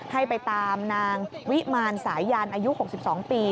ให้ไปตามนางวิมันศาญญาณอายุ๖๒ปี